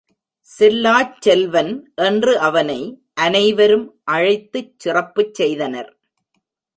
செல்லாச் செல்வன் என்று அவனை அனைவரும் அழைத்துச் சிறப்புச் செய்தனர்.